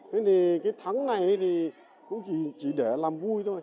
thế thì cái thắng này thì cũng chỉ để làm vui thôi